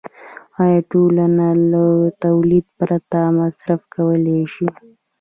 آیا ټولنه له تولید پرته مصرف کولی شي